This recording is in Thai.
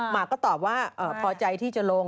หมาก็ตอบว่าพอใจที่จะลง